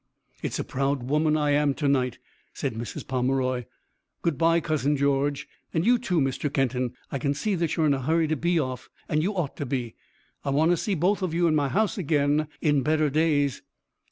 "It's a proud woman I am to night," said Mrs. Pomeroy. "Good bye, Cousin George, and you, too, Mr. Kenton. I can see that you're in a hurry to be off, and you ought to be. I want to see both of you in my house again in better days."